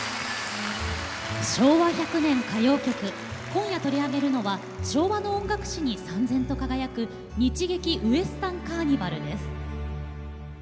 今夜取り上げるのは昭和の音楽史にさん然と輝く日劇ウエスタンカーニバルです。